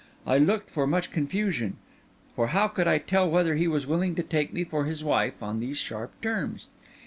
I looked for much confusion; for how could I tell whether he was willing to take me for his wife on these sharp terms?